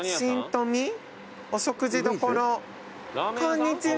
こんにちは。